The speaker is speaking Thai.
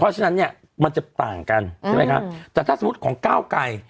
ใช่ไหมครับแต่ถ้าสมมุติของก้าวไก่